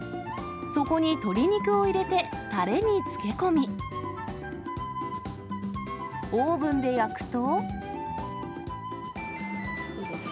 そこに鶏肉を入れてたれに漬け込み、オーブンで焼くと。